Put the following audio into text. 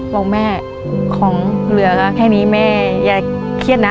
บอกแม่ของเหลือก็แค่นี้แม่อย่าเครียดนะ